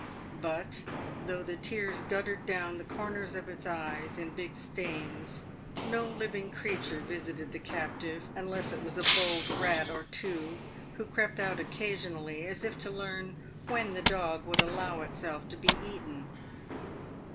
But, though the tears guttered down the corners of its eyes in big stains, no living creature visited the captive, unless it was a bold rat or two, who crept out occasionally as if to learn when the dog would allow itself to be eaten.